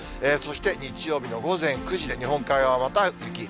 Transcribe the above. そして日曜日の午前９時で日本海側はまた雪。